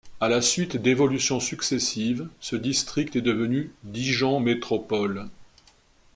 À la suite d’évolutions successives, ce district est devenu Dijon Métropole.